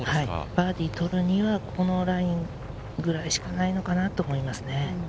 バーディー取るには、このラインぐらいしかないのかなと思いますね。